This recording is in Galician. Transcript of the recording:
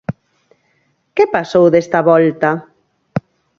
Que pasou desta volta?